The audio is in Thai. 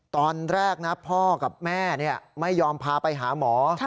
ตอนแรกนะพ่อกับแม่ไม่ยอมพาไปหาหมอ